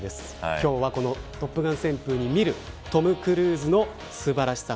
今日はこのトップガン旋風に見るトム・クルーズの素晴らしさ